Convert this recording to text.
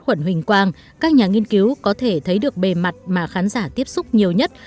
khuẩn huỳnh quang các nhà nghiên cứu có thể thấy được bề mặt mà khán giả tiếp xúc nhiều nhất